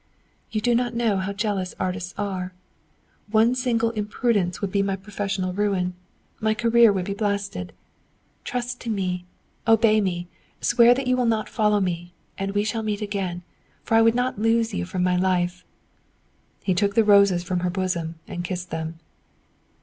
"You do not know how jealous artists are. "One single imprudence would be my professional ruin; my career would be blasted. Trust to me! Obey me; swear that you will not follow me, and we shall meet again, for I would not lose you from my life." He took the roses from her bosom and kissed them.